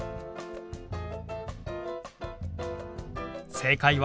正解は。